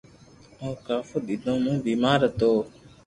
او ڪافو دينو مون بيمار ھتو